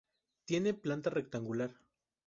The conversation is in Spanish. Tiene planta rectangular.